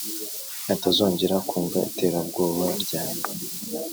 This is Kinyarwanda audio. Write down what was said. atazongera kumva iterabwoba ryange